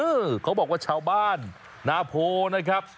เขาบอกว่าชาวบ้านนาโพนะครับ